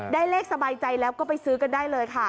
ได้เลขสบายใจแล้วก็ไปซื้อกันได้เลยค่ะ